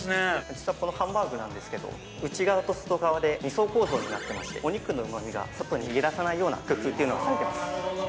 ◆実は、このハンバーグなんですけど、内側と外側で２層構造になっていましてお肉のうまみが、外に逃げ出さないような工夫というのがされています。